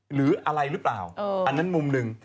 หรืออะไรหรือเปล่าอันนั้นมุมหนึ่ง